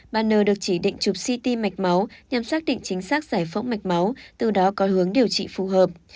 bà n được chỉ định chụp ct mạch máu nhằm xác định chính xác giải phóng mạch máu từ đó có hướng điều trị phù hợp